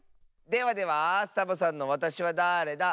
ではではサボさんの「わたしはだれだ？」。